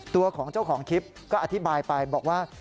ตัวของเจ้าของคลิปก็อธิบายไปบอกว่า